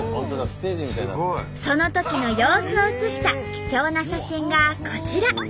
すごい！そのときの様子を写した貴重な写真がこちら。